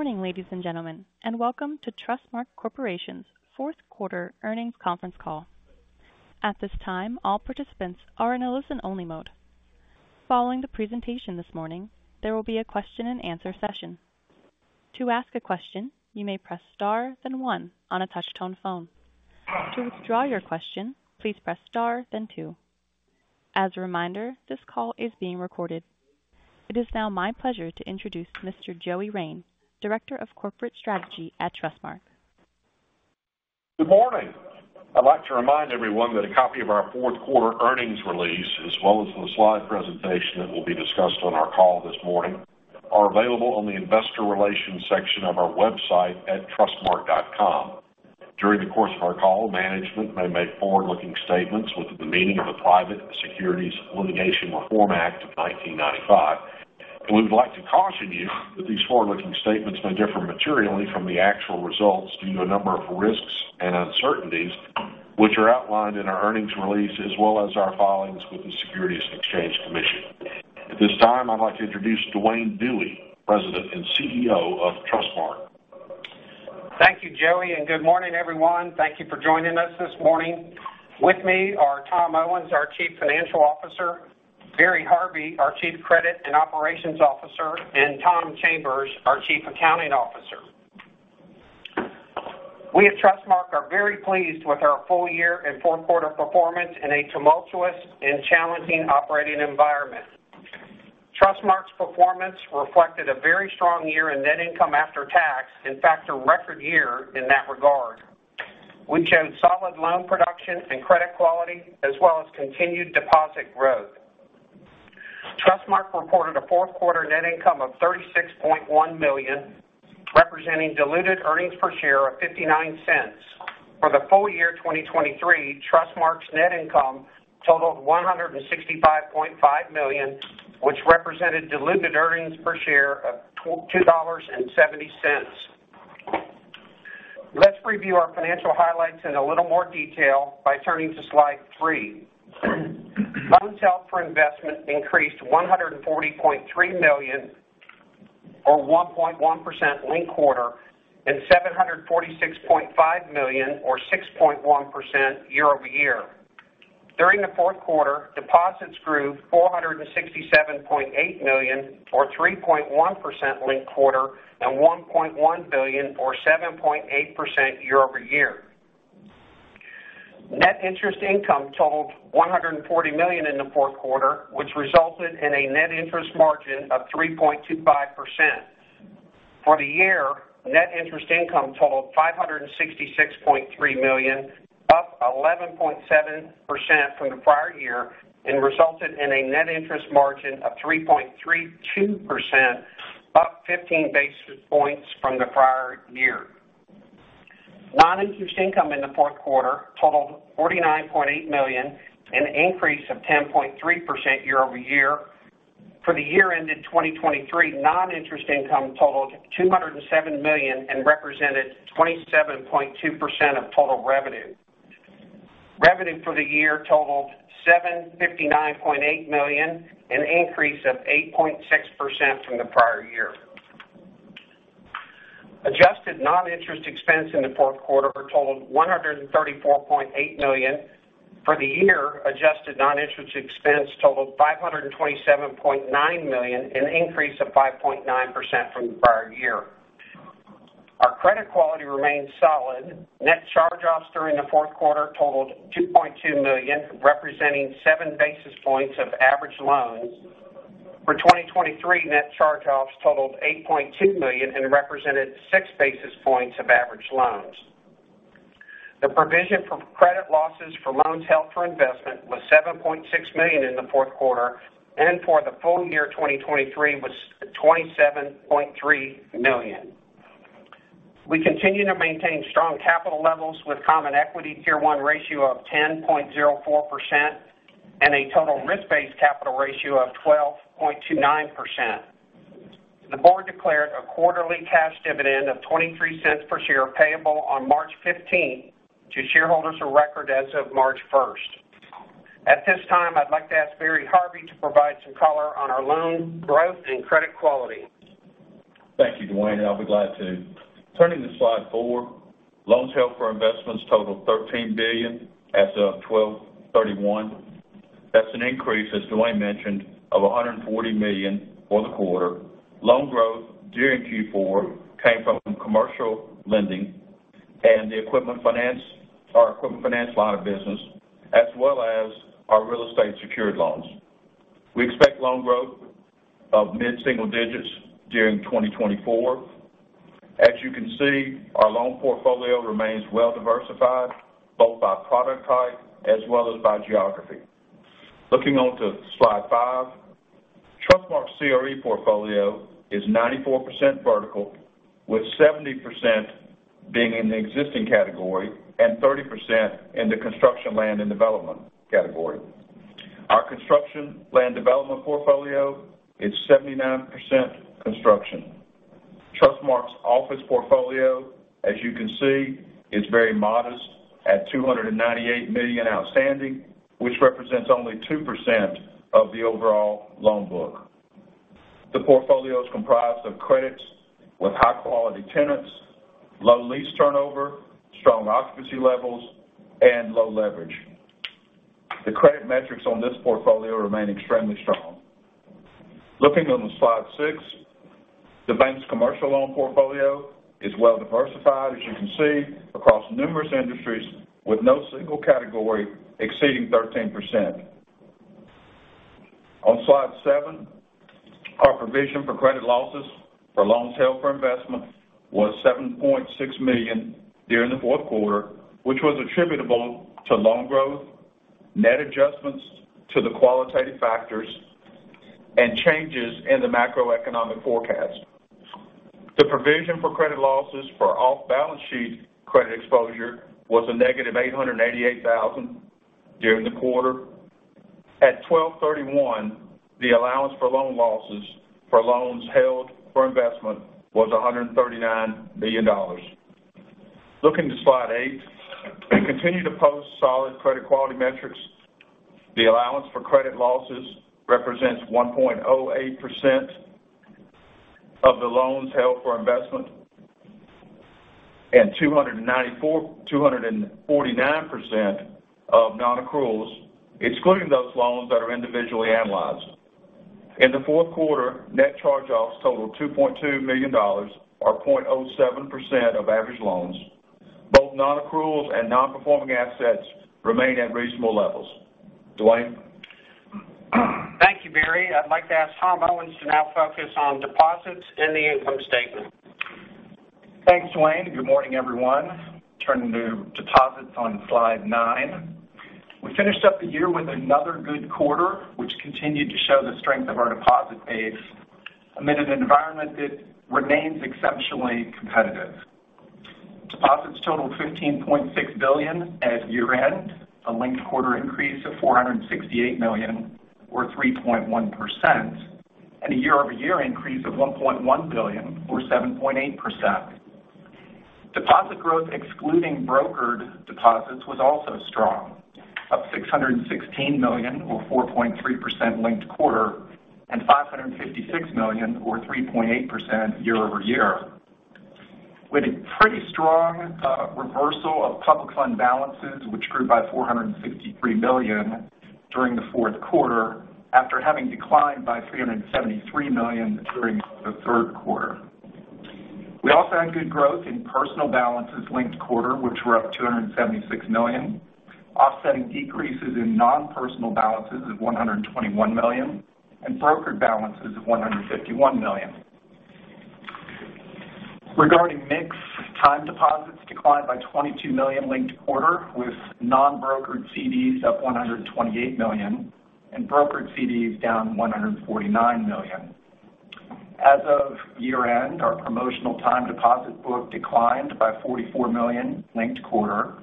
Good morning, ladies and gentlemen, and welcome to Trustmark Corporation's fourth quarter earnings conference call. At this time, all participants are in a listen-only mode. Following the presentation this morning, there will be a question and answer session. To ask a question, you may press Star, then one on a touchtone phone. To withdraw your question, please press Star, then two. As a reminder, this call is being recorded. It is now my pleasure to introduce Mr. Joey Rein, Director of Corporate Strategy at Trustmark. Good morning! I'd like to remind everyone that a copy of our fourth quarter earnings release, as well as the slide presentation that will be discussed on our call this morning, are available on the Investor Relations section of our website at trustmark.com. During the course of our call, management may make forward-looking statements within the meaning of the Private Securities Litigation Reform Act of 1995. We would like to caution you that these forward-looking statements may differ materially from the actual results due to a number of risks and uncertainties, which are outlined in our earnings release as well as our filings with the Securities and Exchange Commission. At this time, I'd like to introduce Duane Dewey, President and CEO of Trustmark. Thank you, Joey, and good morning, everyone. Thank you for joining us this morning. With me are Tom Owens, our Chief Financial Officer, Barry Harvey, our Chief Credit and Operations Officer, and Tom Chambers, our Chief Accounting Officer. We at Trustmark are very pleased with our full year and fourth quarter performance in a tumultuous and challenging operating environment. Trustmark's performance reflected a very strong year in net income after tax, in fact, a record year in that regard. We showed solid loan production and credit quality, as well as continued deposit growth. Trustmark reported a fourth quarter net income of $36.1 million, representing diluted earnings per share of $0.59. For the full year 2023, Trustmark's net income totaled $165.5 million, which represented diluted earnings per share of $2.70. Let's review our financial highlights in a little more detail by turning to Slide 3. Loans held for investment increased $140.3 million, or 1.1% linked quarter, and $746.5 million, or 6.1% year-over-year. During the fourth quarter, deposits grew $467.8 million, or 3.1% linked quarter, and $1.1 billion or 7.8% year-over-year. Net interest income totaled $140 million in the fourth quarter, which resulted in a net interest margin of 3.25%. For the year, net interest income totaled $566.3 million, up 11.7% from the prior year, and resulted in a net interest margin of 3.32%, up 15 basis points from the prior year. Non-interest income in the fourth quarter totaled $49.8 million, an increase of 10.3% year-over-year. For the year ended 2023, non-interest income totaled $207 million and represented 27.2% of total revenue. Revenue for the year totaled $759.8 million, an increase of 8.6% from the prior year. Adjusted non-interest expense in the fourth quarter totaled $134.8 million. For the year, adjusted non-interest expense totaled $527.9 million, an increase of 5.9% from the prior year. Our credit quality remains solid. Net charge-offs during the fourth quarter totaled $2.2 million, representing seven basis points of average loans. For 2023, net charge-offs totaled $8.2 million and represented six basis points of average loans. The provision for credit losses for loans held for investment was $7.6 million in the fourth quarter, and for the full year 2023 was $27.3 million. We continue to maintain strong capital levels with Common Equity Tier 1 ratio of 10.04% and a total risk-based capital ratio of 12.29%. The board declared a quarterly cash dividend of $0.23 per share, payable on March 15 to shareholders of record as of March 1. At this time, I'd like to ask Barry Harvey to provide some color on our loan growth and credit quality. Thank you, Duane, and I'll be glad to. Turning to Slide 4, loans held for investments totaled $13 billion as of 12/31. That's an increase, as Duane mentioned, of $140 million for the quarter. Loan growth during Q4 came from commercial lending and the equipment finance, our equipment finance line of business, as well as our real estate secured loans. We expect loan growth of mid-single digits during 2024. As you can see, our loan portfolio remains well diversified, both by product type as well as by geography. Looking on to Slide 5, Trustmark's CRE portfolio is 94% vertical, with 70% being in the existing category and 30% in the construction, land, and development category. Our construction land development portfolio is 79% construction. Trustmark's office portfolio, as you can see, is very modest at $298 million outstanding, which represents only 2% of the overall loan book. The portfolio is comprised of credits with high-quality tenants, low lease turnover, strong occupancy levels, and low leverage. The credit metrics on this portfolio remain extremely strong. Looking on the Slide 6, the bank's commercial loan portfolio is well diversified, as you can see, across numerous industries, with no single category exceeding 13%. On Slide 7, our provision for credit losses for loans held for investment was $7.6 million during the fourth quarter, which was attributable to loan growth, net adjustments to the qualitative factors, and changes in the macroeconomic forecast. The provision for credit losses for off-balance sheet credit exposure was -$888,000 during the quarter. At 12/31, the allowance for loan losses for loans held for investment was $139 million. Looking to Slide 8, we continue to post solid credit quality metrics. The allowance for credit losses represents 1.08% of the loans held for investment, and 294--249% of non-accruals, excluding those loans that are individually analyzed. In the fourth quarter, net charge-offs totaled $2.2 million, or 0.07% of average loans. Both non-accruals and nonperforming assets remain at reasonable levels. Duane? Thank you, Barry. I'd like to ask Tom Owens to now focus on deposits and the income statement. Thanks, Duane. Good morning, everyone. Turning to deposits on Slide 9. We finished up the year with another good quarter, which continued to show the strength of our deposit base amid an environment that remains exceptionally competitive. Deposits totaled $15.6 billion at year-end, a linked-quarter increase of $468 million, or 3.1%, and a year-over-year increase of $1.1 billion, or 7.8%. Deposit growth, excluding brokered deposits, was also strong, up $616 million, or 4.3% linked-quarter, and $556 million, or 3.8% year-over-year, with a pretty strong reversal of public fund balances, which grew by $463 million during the fourth quarter, after having declined by $373 million during the third quarter. We also had good growth in personal balances linked quarter, which were up $276 million, offsetting decreases in non-personal balances of $121 million, and brokered balances of $151 million. Regarding mix, time deposits declined by $22 million linked quarter, with non-brokered CDs up $128 million, and brokered CDs down $149 million. As of year-end, our promotional time deposit book declined by $44 million linked quarter,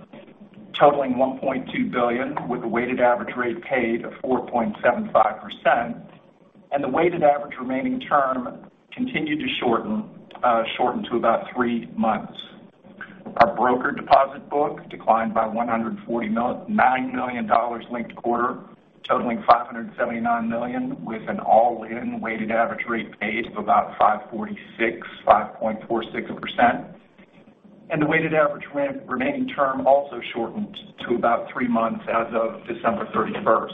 totaling $1.2 billion, with a weighted average rate paid of 4.75%, and the weighted average remaining term continued to shorten to about three months. Our brokered deposit book declined by $149 million linked quarter, totaling $579 million, with an all-in weighted average rate paid about 5.46%, and the weighted average remaining term also shortened to about 3 months as of December 31.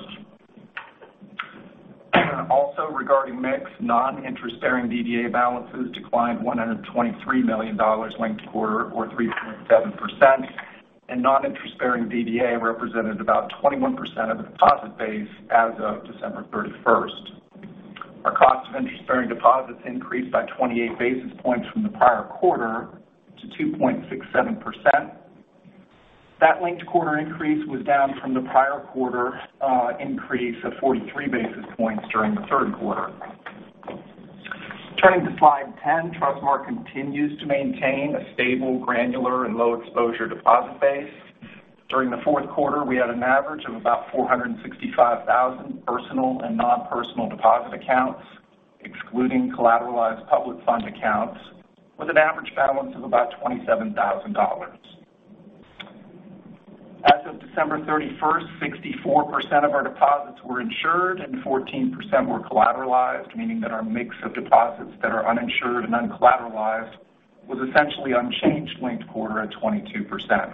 Also, regarding mix, non-interest-bearing DDA balances declined $123 million linked quarter, or 3.7%, and non-interest-bearing DDA represented about 21% of the deposit base as of December 31. Our cost of interest-bearing deposits increased by 28 basis points from the prior quarter to 2.67%. That linked quarter increase was down from the prior quarter increase of 43 basis points during the third quarter. Turning to Slide 10, Trustmark continues to maintain a stable, granular, and low-exposure deposit base. During the fourth quarter, we had an average of about 465,000 personal and non-personal deposit accounts, excluding collateralized public fund accounts, with an average balance of about $27,000. As of December 31, 64% of our deposits were insured and 14% were collateralized, meaning that our mix of deposits that are uninsured and uncollateralized was essentially unchanged linked quarter at 22%.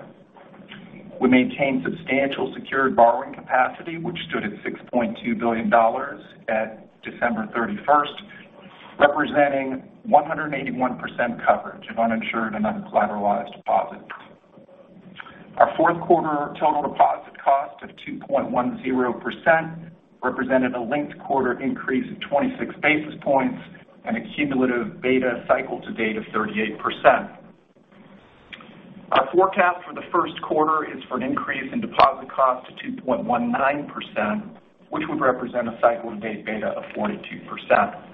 We maintained substantial secured borrowing capacity, which stood at $6.2 billion on December 31, representing 181% coverage of uninsured and uncollateralized deposits. Our fourth quarter total deposit cost of 2.10% represented a linked quarter increase of 26 basis points and a cumulative beta cycle to date of 38%. Our forecast for the first quarter is for an increase in deposit cost to 2.19%, which would represent a cycle to date beta of 42%.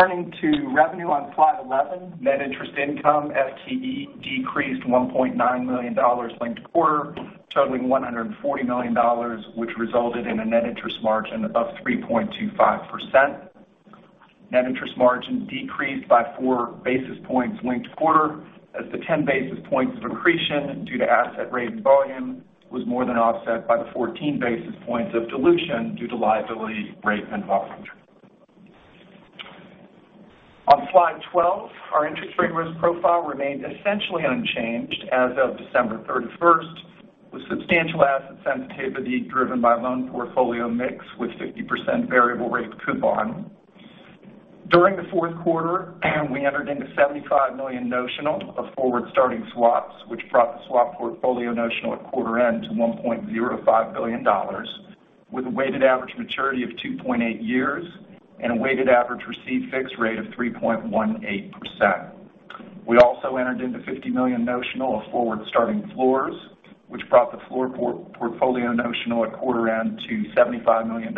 Turning to revenue on Slide 11, net interest income, FTE, decreased $1.9 million linked quarter, totaling $140 million, which resulted in a net interest margin of 3.25%, net interest margin decreased by 4 basis points linked quarter, as the 10 basis points of accretion due to asset rate and volume was more than offset by the 14 basis points of dilution due to liability rate and offering. On Slide 12, our interest rate risk profile remained essentially unchanged as of December thirty-first, with substantial asset sensitivity driven by loan portfolio mix with 50% variable rate coupon. During the fourth quarter, we entered into $75 million notional of forward-starting swaps, which brought the swap portfolio notional at quarter end to $1.05 billion, with a weighted average maturity of 2.8 years and a weighted average received fixed rate of 3.18%. We also entered into $50 million notional of forward-starting floors, which brought the floor portfolio notional at quarter end to $75 million,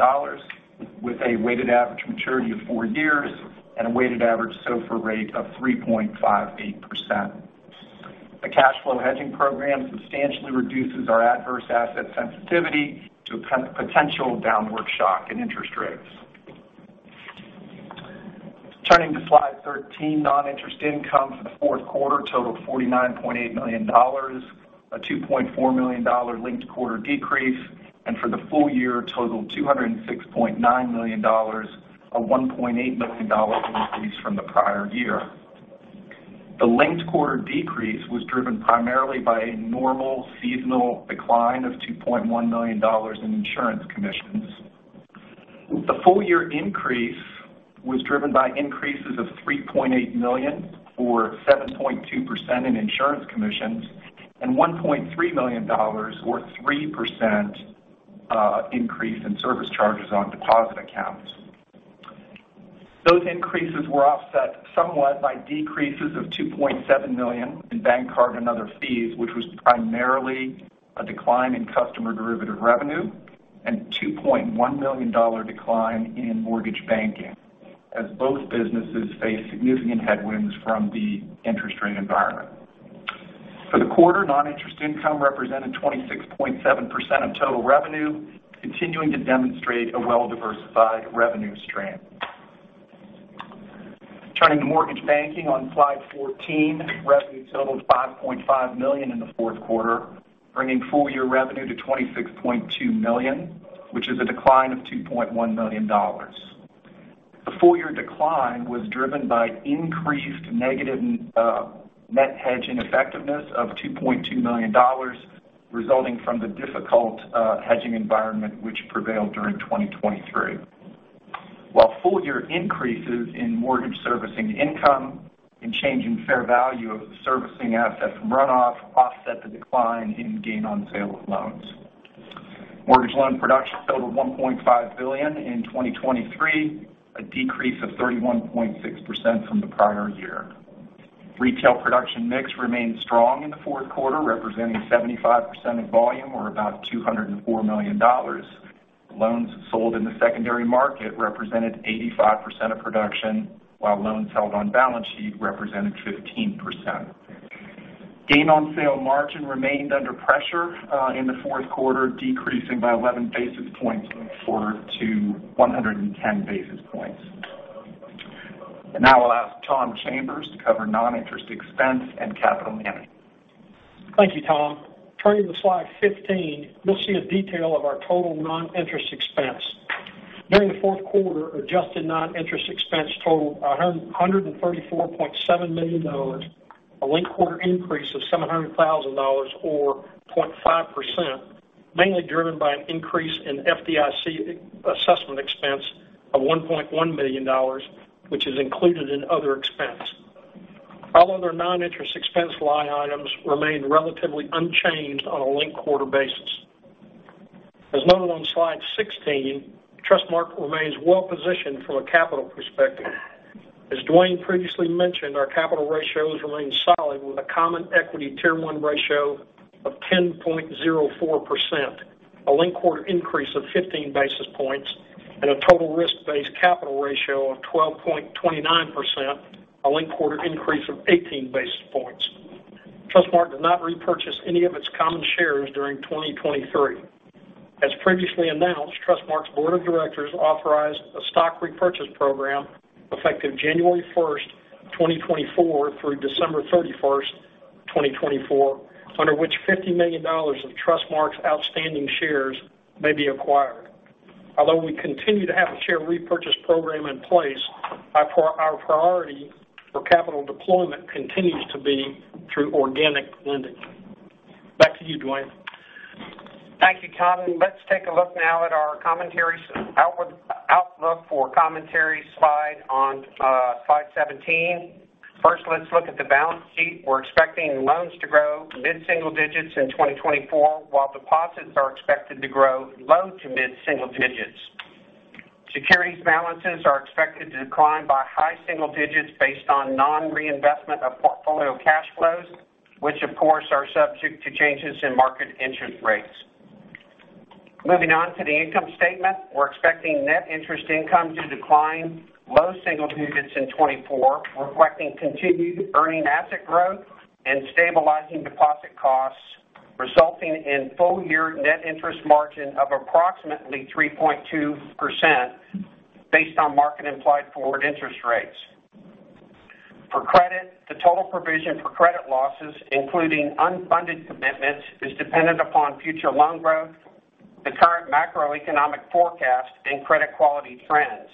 with a weighted average maturity of 4 years and a weighted average SOFR rate of 3.58%. The cash flow hedging program substantially reduces our adverse asset sensitivity to potential downward shock in interest rates. Turning to Slide 13, non-interest income for the fourth quarter totaled $49.8 million, a $2.4 million linked-quarter decrease, and for the full year, totaled $206.9 million, a $1.8 million increase from the prior year. The linked-quarter decrease was driven primarily by a normal seasonal decline of $2.1 million in insurance commissions. The full year increase was driven by increases of $3.8 million, or 7.2% in insurance commissions, and $1.3 million, or 3%, increase in service charges on deposit accounts. Those increases were offset somewhat by decreases of $2.7 million in bank card and other fees, which was primarily a decline in customer derivative revenue, and $2.1 million decline in mortgage banking, as both businesses face significant headwinds from the interest rate environment. For the quarter, non-interest income represented 26.7% of total revenue, continuing to demonstrate a well-diversified revenue stream. Turning to mortgage banking on Slide 14, revenue totaled $5.5 million in the fourth quarter, bringing full year revenue to $26.2 million, which is a decline of $2.1 million. The full year decline was driven by increased negative net hedge ineffectiveness of $2.2 million, resulting from the difficult hedging environment which prevailed during 2023. While full year increases in mortgage servicing income and change in fair value of the servicing assets run off offset the decline in gain on sale of loans. mortgage loan production totaled $1.5 billion in 2023, a decrease of 31.6% from the prior year. Retail production mix remained strong in the fourth quarter, representing 75% of volume or about $204 million. Loans sold in the secondary market represented 85% of production, while loans held on balance sheet represented 15%. Gain on sale margin remained under pressure, in the fourth quarter, decreasing by 11 basis points quarter to 110 basis points. Now I'll ask Tom Chambers to cover non-interest expense and capital management. Thank you, Tom. Turning to Slide 15, you'll see a detail of our total non-interest expense. During the fourth quarter, adjusted non-interest expense totaled $134.7 million, a linked quarter increase of $700,000 or 0.5%, mainly driven by an increase in FDIC assessment expense of $1.1 million, which is included in other expense. All other non-interest expense line items remained relatively unchanged on a linked quarter basis. As noted on Slide 16, Trustmark remains well positioned from a capital perspective. As Duane previously mentioned, our capital ratios remain solid, with a Common Equity Tier 1 ratio of 10.04%, a linked quarter increase of 15 basis points, and a total risk-based capital ratio of 12.29%, a linked quarter increase of 18 basis points. Trustmark did not repurchase any of its common shares during 2023. As previously announced, Trustmark's board of directors authorized a stock repurchase program effective January 1, 2024, through December 31, 2024, under which $50 million of Trustmark's outstanding shares may be acquired. Although we continue to have a share repurchase program in place, our priority for capital deployment continues to be through organic lending. Back to you, Duane. Thank you, Tom. Let's take a look now at our commentary outlook for commentary slide on Slide 17. First, let's look at the balance sheet. We're expecting loans to grow mid-single digits in 2024, while deposits are expected to grow low to mid-single digits. Securities balances are expected to decline by high single digits based on non-reinvestment of portfolio cash flows, which, of course, are subject to changes in market interest rates. Moving on to the income statement, we're expecting net interest income to decline low single digits in 2024, reflecting continued earning asset growth and stabilizing deposit costs... resulting in full-year net interest margin of approximately 3.2%, based on market implied forward interest rates. For credit, the total provision for credit losses, including unfunded commitments, is dependent upon future loan growth, the current macroeconomic forecast, and credit quality trends.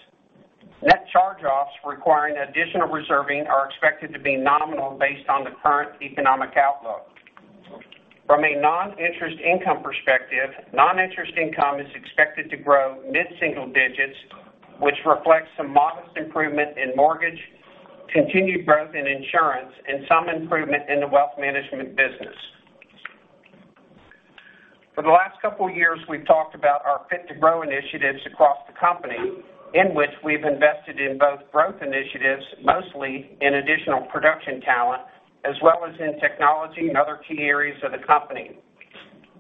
Net charge-offs requiring additional reserving are expected to be nominal based on the current economic outlook. From a non-interest income perspective, non-interest income is expected to grow mid-single digits, which reflects some modest improvement in mortgage, continued growth in insurance, and some improvement in the Wealth Management business. For the last couple of years, we've talked about our Fit to Grow initiatives across the company, in which we've invested in both growth initiatives, mostly in additional production talent, as well as in technology and other key areas of the company.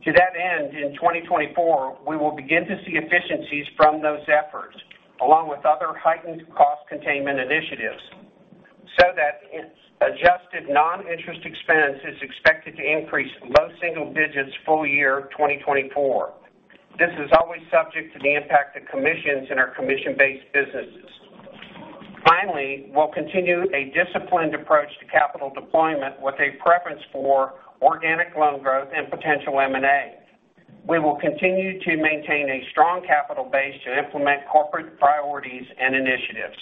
To that end, in 2024, we will begin to see efficiencies from those efforts, along with other heightened cost containment initiatives, so that adjusted non-interest expense is expected to increase low single digits full year 2024. This is always subject to the impact of commissions in our commission-based businesses. Finally, we'll continue a disciplined approach to capital deployment with a preference for organic loan growth and potential M&A. We will continue to maintain a strong capital base to implement corporate priorities and initiatives.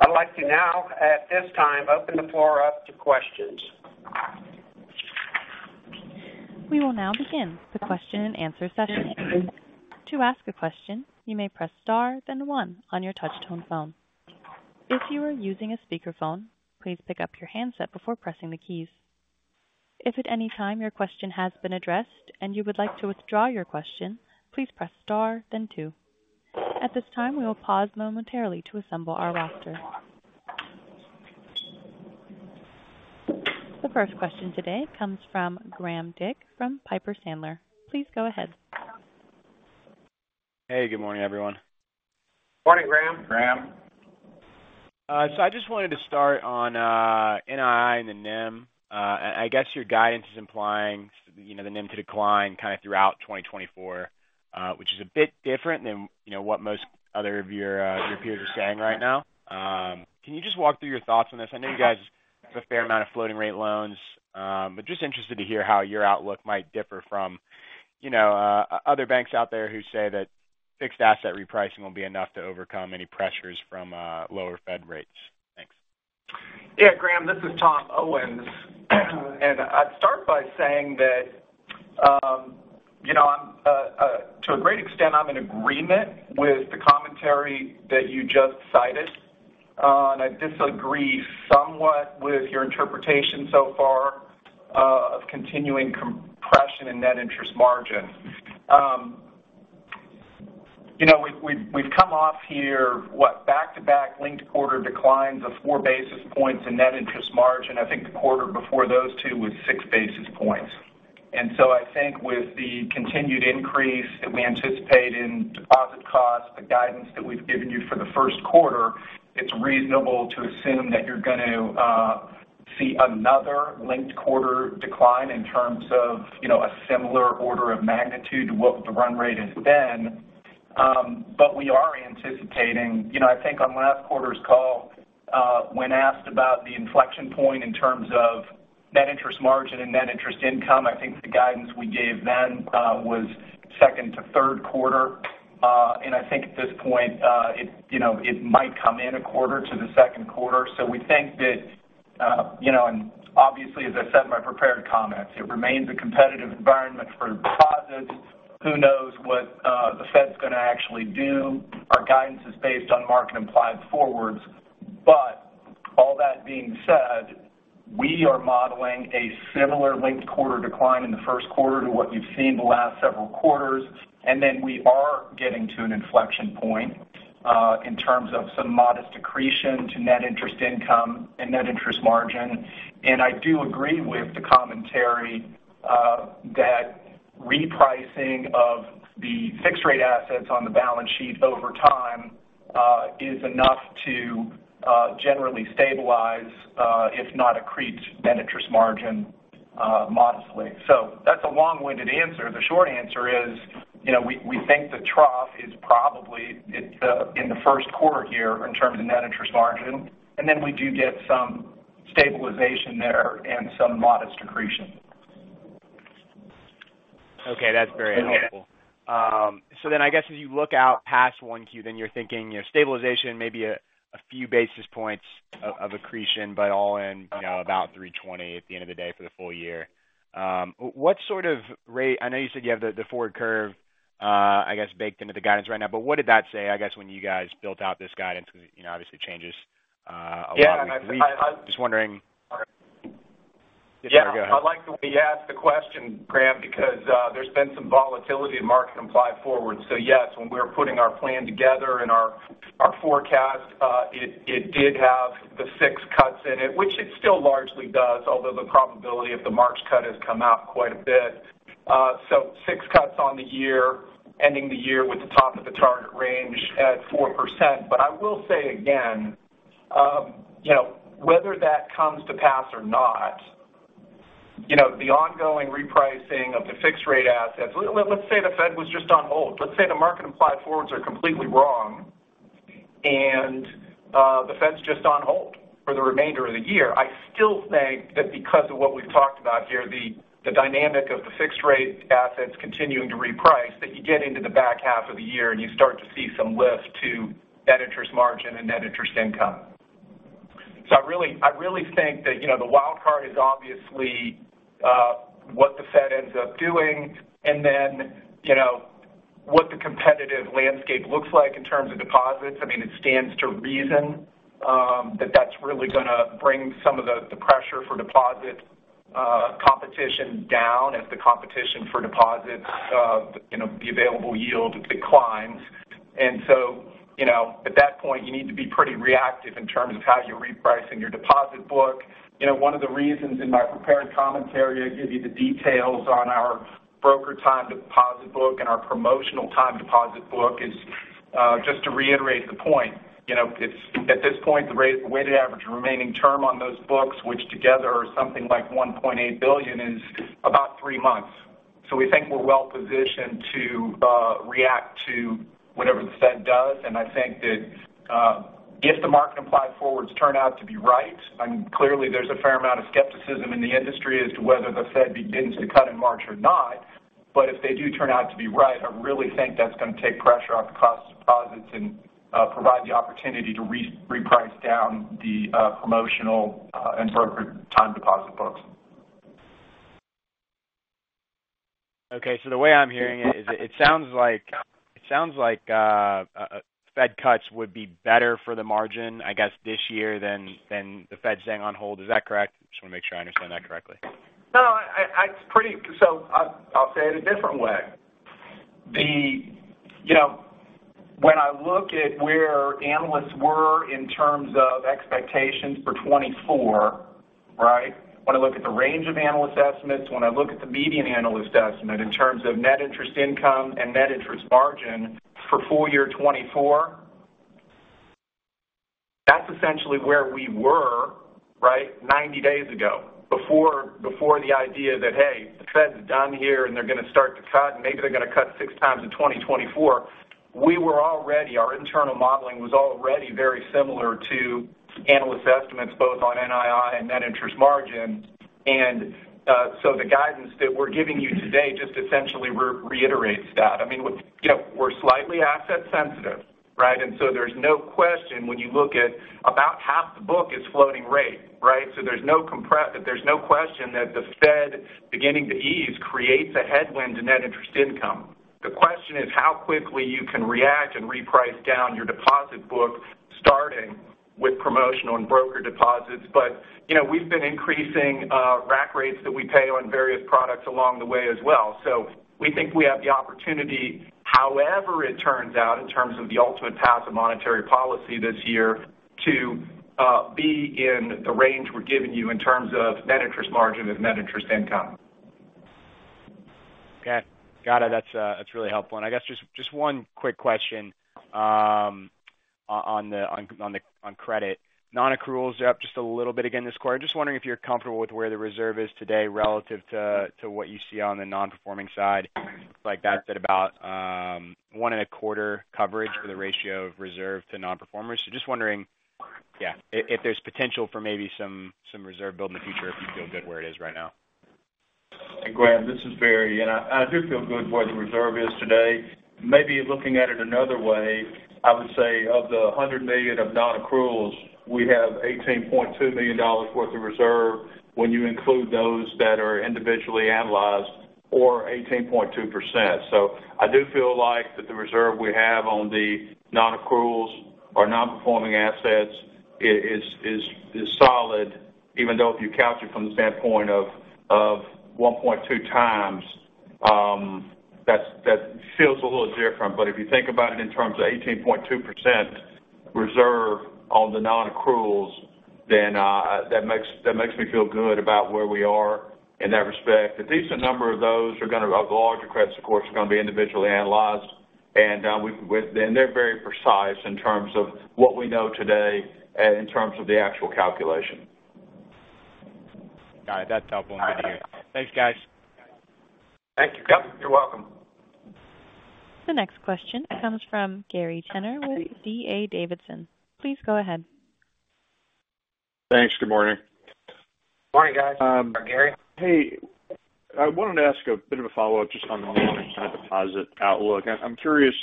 I'd like to now, at this time, open the floor up to questions. We will now begin the question-and-answer session. To ask a question, you may press star, then 1 on your touchtone phone. If you are using a speakerphone, please pick up your handset before pressing the keys. If at any time your question has been addressed and you would like to withdraw your question, please press star then 2. At this time, we will pause momentarily to assemble our roster. The first question today comes from Graham Dick from Piper Sandler. Please go ahead. Hey, good morning, everyone. Morning, Graham. Graham. So I just wanted to start on NII and the NIM. I guess your guidance is implying, you know, the NIM to decline kind of throughout 2024, which is a bit different than, you know, what most other of your your peers are saying right now. Can you just walk through your thoughts on this? I know you guys have a fair amount of floating rate loans, but just interested to hear how your outlook might differ from, you know, other banks out there who say that fixed asset repricing will be enough to overcome any pressures from lower Fed rates. Thanks. Yeah, Graham, this is Tom Owens. I'd start by saying that, you know, to a great extent, I'm in agreement with the commentary that you just cited, and I disagree somewhat with your interpretation so far of continuing compression in net interest margin. You know, we've come off here, what, back-to-back linked quarter declines of four basis points in net interest margin. I think the quarter before those two was six basis points. So I think with the continued increase that we anticipate in deposit costs, the guidance that we've given you for the first quarter, it's reasonable to assume that you're going to see another linked quarter decline in terms of, you know, a similar order of magnitude to what the run rate has been. But we are anticipating... You know, I think on last quarter's call, when asked about the inflection point in terms of net interest margin and net interest income, I think the guidance we gave then was second to third quarter. And I think at this point, it, you know, it might come in a quarter to the second quarter. So we think that, you know, and obviously, as I said in my prepared comments, it remains a competitive environment for deposits. Who knows what the Fed's going to actually do? Our guidance is based on market implied forwards. But all that being said, we are modeling a similar linked quarter decline in the first quarter to what you've seen the last several quarters. And then we are getting to an inflection point in terms of some modest accretion to net interest income and net interest margin. I do agree with the commentary that repricing of the fixed rate assets on the balance sheet over time is enough to generally stabilize, if not accrete net interest margin, modestly. That's a long-winded answer. The short answer is, you know, we, we think the trough is probably it in the first quarter here in terms of net interest margin, and then we do get some stabilization there and some modest accretion. Okay, that's very helpful. So then I guess as you look out past 1Q, then you're thinking, you know, stabilization, maybe a few basis points of accretion, but all in, you know, about 3.20 at the end of the day for the full year. What sort of rate? I know you said you have the forward curve, I guess, baked into the guidance right now, but what did that say, I guess, when you guys built out this guidance? Because, you know, obviously it changes a lot. Yeah. Just wondering. Yeah- Go ahead. I like the way you asked the question, Graham, because there's been some volatility in market-implied forward. So yes, when we're putting our plan together and our forecast, it did have the six cuts in it, which it still largely does, although the probability of the March cut has come out quite a bit. So six cuts on the year, ending the year with the top of the target range at 4%. But I will say again, you know, whether that comes to pass or not, you know, the ongoing repricing of the fixed-rate assets. Let's say the Fed was just on hold. Let's say the market-implied forwards are completely wrong, and the Fed's just on hold for the remainder of the year. I still think that because of what we've talked about here, the dynamic of the fixed rate assets continuing to reprice, that you get into the back half of the year, and you start to see some lift to net interest margin and net interest income. So I really, I really think that, you know, the wild card is obviously what the Fed ends up doing, and then, you know, what the competitive landscape looks like in terms of deposits. I mean, it stands to reason that that's really going to bring some of the pressure for deposit competition down as the competition for deposits, you know, the available yield declines. And so, you know, at that point, you need to be pretty reactive in terms of how you're repricing your deposit book. You know, one of the reasons in my prepared commentary, I give you the details on our broker time deposit book and our promotional time deposit book is just to reiterate the point. You know, it's at this point, the weighted average remaining term on those books, which together are something like $1.8 billion, is about three months. So we think we're well positioned to react to whatever the Fed does. And I think that if the market implied forwards turn out to be right, and clearly there's a fair amount of skepticism in the industry as to whether the Fed begins to cut in March or not. But if they do turn out to be right, I really think that's going to take pressure off the cost of deposits and provide the opportunity to reprice down the promotional and broker time deposit books. Okay, so the way I'm hearing it is it sounds like, it sounds like, Fed cuts would be better for the margin, I guess, this year than, than the Fed staying on hold. Is that correct? Just want to make sure I understand that correctly. No, I, it's pretty-- So I'll say it a different way. You know, when I look at where analysts were in terms of expectations for 2024, right? When I look at the range of analyst estimates, when I look at the median analyst estimate in terms of net interest income and net interest margin for full year 2024, that's essentially where we were, right, 90 days ago, before, before the idea that, hey, the Fed's done here, and they're going to start to cut, and maybe they're going to cut six times in 2024. We were already, our internal modeling was already very similar to analyst estimates, both on NII and net interest margin. And, so the guidance that we're giving you today just essentially reiterates that. I mean, look, you know, we're slightly asset sensitive, right? So there's no question when you look at about half the book is floating rate, right? So there's no question that the Fed beginning to ease creates a headwind in net interest income. The question is how quickly you can react and reprice down your deposit book, starting with promotional and broker deposits. But, you know, we've been increasing rack rates that we pay on various products along the way as well. So we think we have the opportunity, however it turns out, in terms of the ultimate path of monetary policy this year, to be in the range we're giving you in terms of net interest margin and net interest income. Okay. Got it. That's really helpful. And I guess just one quick question on credit. Non-accruals are up just a little bit again this quarter. Just wondering if you're comfortable with where the reserve is today relative to what you see on the nonperforming side? Looks like that's at about 1.25 coverage for the ratio of reserve to nonperformers. So just wondering, yeah, if there's potential for maybe some reserve build in the future, if you feel good where it is right now. Hey, Graham, this is Barry, and I do feel good where the reserve is today. Maybe looking at it another way, I would say of the $100 million of non-accruals, we have $18.2 million worth of reserve when you include those that are individually analyzed or 18.2%. So I do feel like that the reserve we have on the non-accruals or non-performing assets is solid, even though if you count it from the standpoint of 1.2 times, that's - that feels a little different. But if you think about it in terms of 18.2% reserve on the non-accruals, then that makes me feel good about where we are in that respect. A decent number of those are going to... Of the larger credits, of course, are going to be individually analyzed, and they're very precise in terms of what we know today and in terms of the actual calculation. Got it. That's helpful. Thank you. Thanks, guys. Thank you. You're welcome. The next question comes from Gary Tenner with D.A. Davidson. Please go ahead. Thanks. Good morning. Morning, guys. Gary. Hey, I wanted to ask a bit of a follow-up just on the deposit outlook. I'm curious,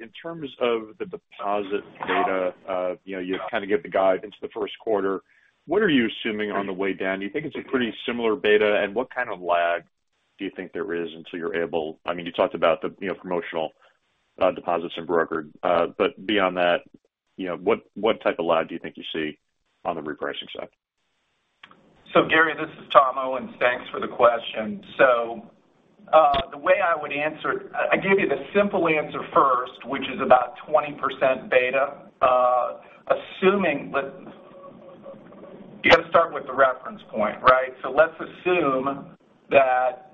in terms of the deposit data, you know, you kind of give the guide into the first quarter. What are you assuming on the way down? Do you think it's a pretty similar beta, and what kind of lag do you think there is until you're able—I mean, you talked about the, you know, promotional deposits in broker. But beyond that, you know, what type of lag do you think you see on the repricing side? So, Gary, this is Tom Owens. Thanks for the question. So, the way I would answer—I, I gave you the simple answer first, which is about 20% beta. Assuming, let—you got to start with the reference point, right? So let's assume that,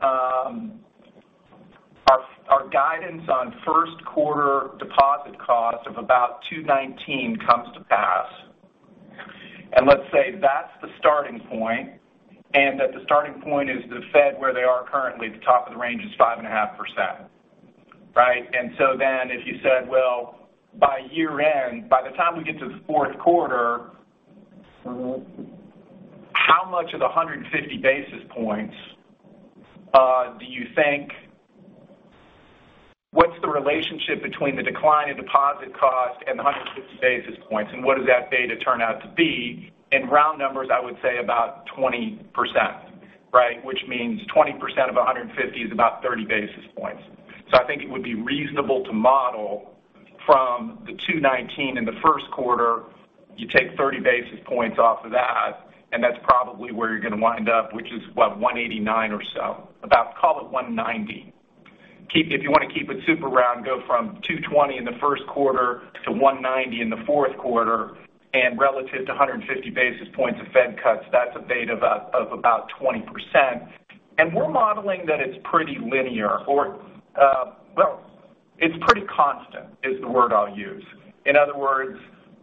guidance on first quarter deposit costs of about 2.19 comes to pass, and let's say that's the starting point, and that the starting point is the Fed, where they are currently, the top of the range is 5.5%, right? And so then if you said, well, by year-end, by the time we get to the fourth quarter, how much of the 150 basis points, do you think—what's the relationship between the decline in deposit cost and the 150 basis points? And what does that beta turn out to be? In round numbers, I would say about 20%, right? Which means 20% of 150 is about 30 basis points. So I think it would be reasonable to model from the 2.19 in the first quarter, you take 30 basis points off of that, and that's probably where you're going to wind up, which is, what? 1.89 or so. About, call it 1.90. Keep it super round, if you want to keep it super round, go from 2.20 in the first quarter to 1.90 in the fourth quarter, and relative to 150 basis points of Fed cuts, that's a beta of about 20%. And we're modeling that it's pretty linear or, well, it's pretty constant, is the word I'll use. In other words,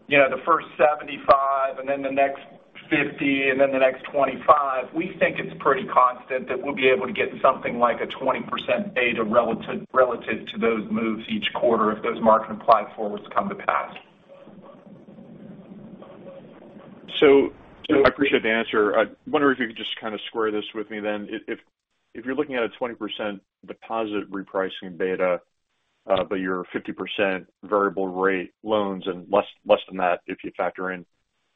you know, the first 75 and then the next 50 and then the next 25, we think it's pretty constant, that we'll be able to get something like a 20% beta relative, relative to those moves each quarter if those market implied forwards come to pass. So I appreciate the answer. I wonder if you could just kind of square this with me then. If you're looking at a 20% deposit repricing beta, but you're 50% variable rate loans and less than that, if you factor in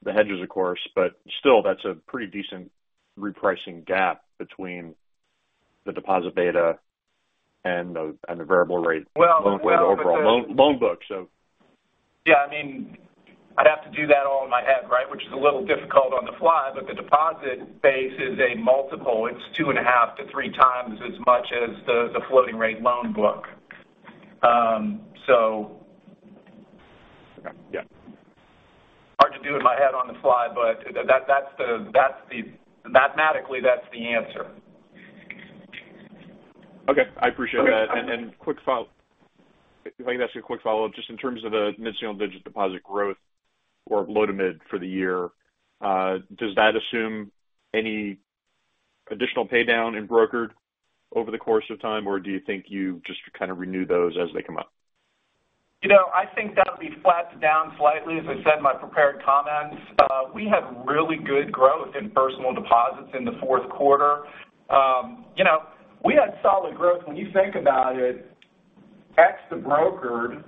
the hedges, of course, but still, that's a pretty decent repricing gap between the deposit beta and the variable rate- Well, but the- Overall loan, loan book, so. Yeah, I mean, I'd have to do that all in my head, right? Which is a little difficult on the fly, but the deposit base is a multiple. It's 2.5-3 times as much as the floating rate loan book. Okay. Yeah. Hard to do in my head on the fly, but that mathematically, that's the answer. Okay, I appreciate that. Okay. Quick follow-up. If I can ask you a quick follow-up, just in terms of the mid-single-digit deposit growth or low to mid for the year, does that assume any additional pay down in brokered over the course of time, or do you think you just kind of renew those as they come up? You know, I think that'll be flat to down slightly. As I said in my prepared comments, we had really good growth in personal deposits in the fourth quarter. You know, we had solid growth. When you think about it, excluding the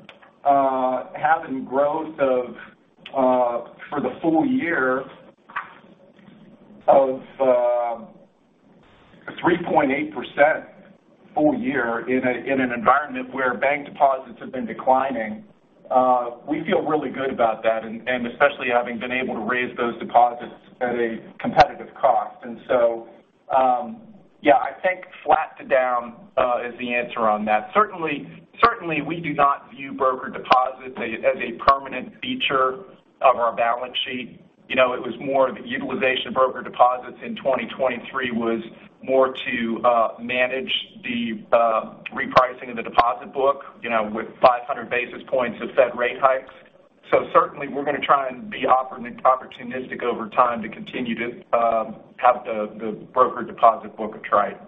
brokered, having growth of, for the full year of, 3.8% full year in an environment where bank deposits have been declining, we feel really good about that, and, and especially having been able to raise those deposits at a competitive cost. And so, yeah, I think flat to down is the answer on that. Certainly, certainly, we do not view brokered deposits as a permanent feature of our balance sheet. You know, it was more of a utilization of brokered deposits in 2023 was more to, manage the, repricing of the deposit book, you know, with 500 basis points of Fed rate hikes. So certainly, we're going to try and be opportunistic over time to continue to, have the, the brokered deposit book tried.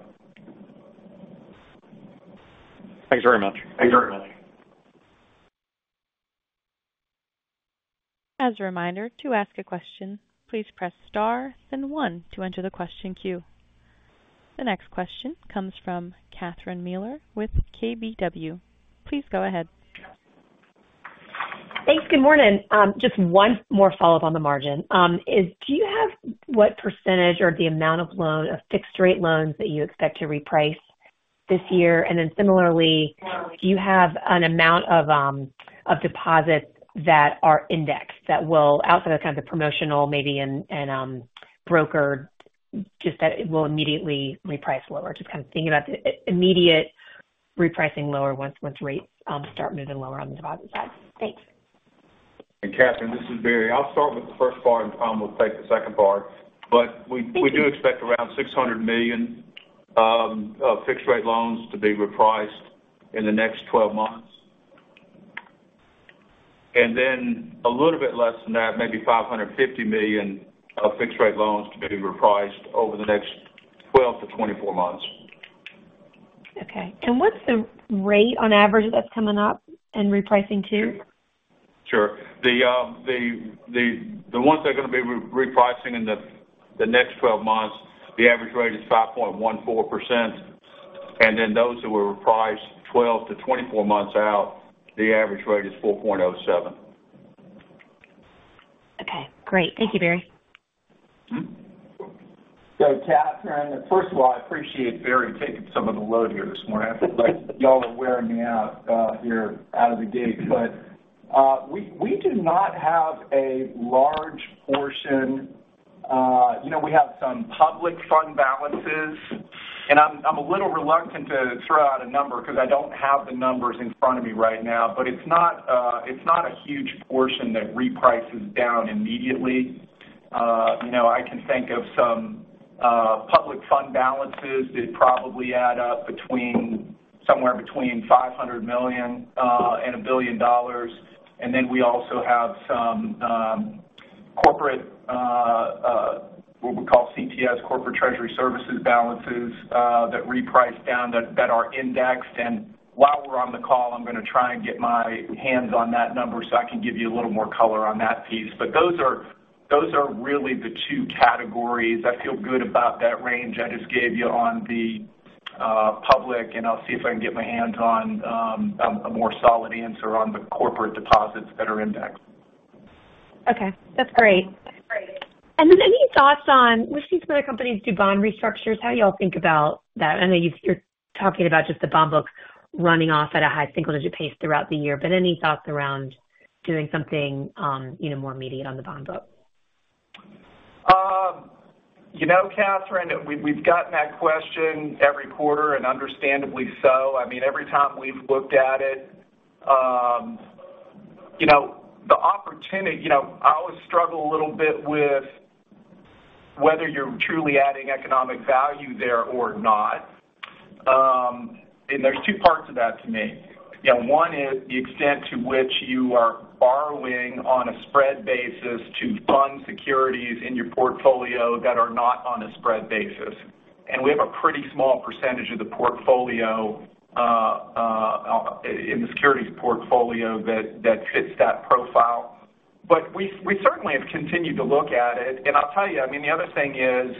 Thanks very much. Thanks very much. As a reminder, to ask a question, please press Star, then 1 to enter the question queue. The next question comes from Catherine Mealor with KBW. Please go ahead. Thanks. Good morning. Just one more follow-up on the margin. Do you have what percentage or the amount of loan, of fixed rate loans that you expect to reprice this year? And then similarly, do you have an amount of, of deposits that are indexed that will, outside of kind of the promotional maybe and, and, brokered, just that it will immediately reprice lower? Just kind of thinking about the immediate repricing lower once, once rates start moving lower on the deposit side. Thanks. Hey, Catherine, this is Barry. I'll start with the first part, and Tom will take the second part. Thank you. But we do expect around $600 million fixed rate loans to be repriced in the next 12 months. And then a little bit less than that, maybe $550 million of fixed rate loans to be repriced over the next 12-24 months. Okay. What's the rate on average that's coming up and repricing to? Sure. The ones that are going to be repricing in the next 12 months, the average rate is 5.14%, and then those that were repriced 12 to 24 months out, the average rate is 4.07. Okay, great. Thank you, Barry. So, Cath, first of all, I appreciate Barry taking some of the load here this morning. Y'all are wearing me out here out of the gate. But, we do not have a large portion. You know, we have some public fund balances, and I'm a little reluctant to throw out a number because I don't have the numbers in front of me right now, but it's not a huge portion that reprices down immediately. You know, I can think of some public fund balances that probably add up between, somewhere between $500 million and $1 billion. And then we also have some corporate what we call CTS, Corporate Treasury Services, balances that reprice down that are indexed. And while we're on the call, I'm going to try and get my hands on that number so I can give you a little more color on that piece. But those are, those are really the two categories. I feel good about that range I just gave you on the public, and I'll see if I can get my hands on a more solid answer on the corporate deposits that are indexed. Okay, that's great. And then any thoughts on, we've seen some other companies do bond restructures. How do you all think about that? I know you're talking about just the bond book running off at a high single-digit pace throughout the year, but any thoughts around doing something, you know, more immediate on the bond book? You know, Catherine, we've gotten that question every quarter, and understandably so. I mean, every time we've looked at it, you know, the opportunity, you know, I always struggle a little bit with whether you're truly adding economic value there or not. And there's two parts to that to me. You know, one is the extent to which you are borrowing on a spread basis to fund securities in your portfolio that are not on a spread basis. And we have a pretty small percentage of the portfolio in the securities portfolio that fits that profile. But we certainly have continued to look at it. And I'll tell you, I mean, the other thing is,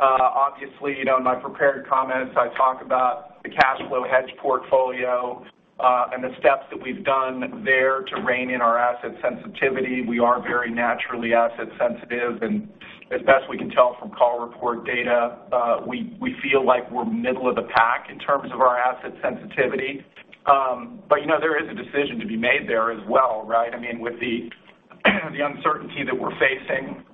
obviously, you know, in my prepared comments, I talk about the cash flow hedge portfolio, and the steps that we've done there to rein in our asset sensitivity. We are very naturally asset sensitive, and as best we can tell from call report data, we feel like we're middle of the pack in terms of our asset sensitivity. But, you know, there is a decision to be made there as well, right? I mean, with the uncertainty that we're facing,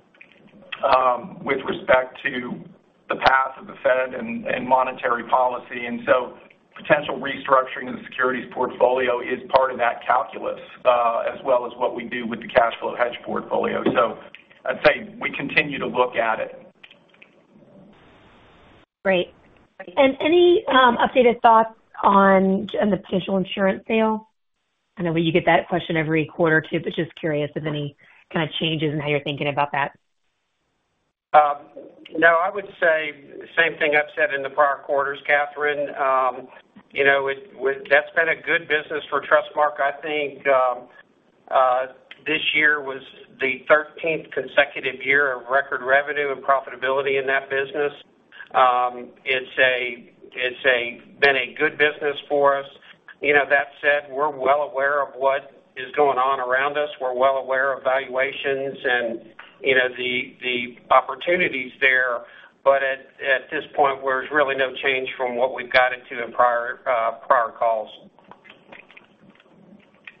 with respect to the path of the Fed and monetary policy. And so potential restructuring of the securities portfolio is part of that calculus, as well as what we do with the cash flow hedge portfolio. So, I'd say we continue to look at it. Great. Any updated thoughts on the potential insurance sale? I know you get that question every quarter, too, but just curious if any kind of changes in how you're thinking about that. No, I would say the same thing I've said in the prior quarters, Catherine. You know, that's been a good business for Trustmark. I think, this year was the thirteenth consecutive year of record revenue and profitability in that business. It's been a good business for us. You know, that said, we're well aware of what is going on around us. We're well aware of valuations and, you know, the opportunities there, but at this point, there's really no change from what we've guided to in prior, prior calls.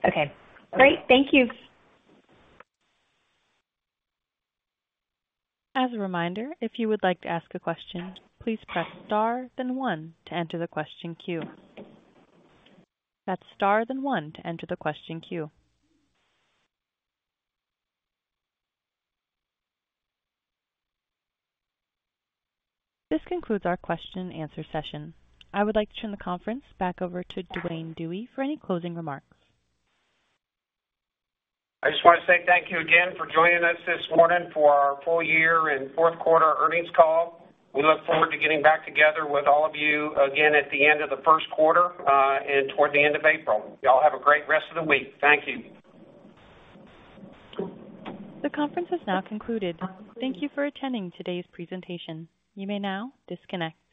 Okay. Great. Thank you. As a reminder, if you would like to ask a question, please press star then 1 to enter the question queue. That's star then 1 to enter the question queue. This concludes our question-and-answer session. I would like to turn the conference back over to Duane Dewey for any closing remarks. I just want to say thank you again for joining us this morning for our full year and fourth quarter earnings call. We look forward to getting back together with all of you again at the end of the first quarter, and toward the end of April. Y'all have a great rest of the week. Thank you. The conference has now concluded. Thank you for attending today's presentation. You may now disconnect.